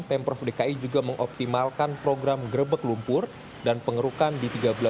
pemprov dki juga mengoptimalkan program grebek lumpur dan pengerukan di tiga belas